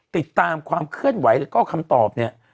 ติดตามความเคลื่อนไหวแล้วก็คำตอบเนี่ย